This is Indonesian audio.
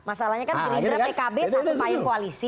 masalahnya kan pkib satu pahing koalisi